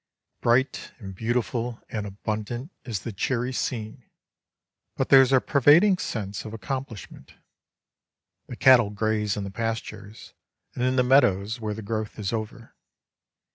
Bright and beautiful and abundant is the cheery scene, but there is a pervading sense of accomplishment. The cattle graze in the pastures, and in the meadows where the growth is over.